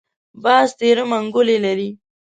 باز تېره منګولې لري